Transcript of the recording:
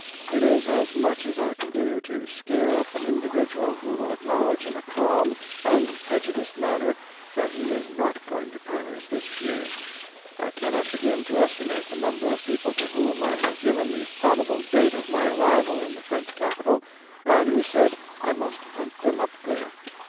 It is as much as I can do to scare up an individual who will acknowledge in a calm, unprejudiced manner that he is not going to Paris this year. I cannot begin to estimate the number of people to whom I have given the probable date of my arrival in the French capital, and who said I must hunt them up there.